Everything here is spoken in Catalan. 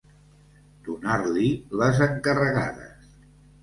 Donar-li les encarregades.